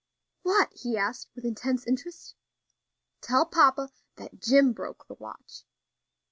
"What?" he asked, with intense interest. "Tell papa that Jim broke the watch."